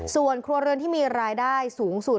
ส่วนครัวเรือนที่มีรายได้สูงสุด